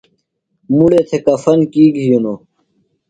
مڑے تھےۡ کفن کی گھینوۡ؟